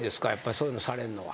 そういうのされんのは。